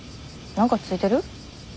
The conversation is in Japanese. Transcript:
何かついてる？